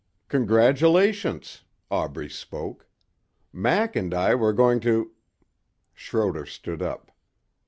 "Congratulations," Aubrey spoke. "Mac and I were going to...." Schroder stood up.